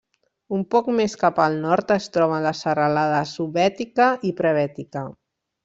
Un poc més cap al nord es troben les serralades Subbètica i Prebètica.